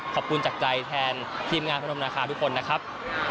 ขอบคุณจากใจแทนทีมงานพนมราคาทุกคนนะครับ